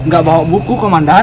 gak bawa buku komandan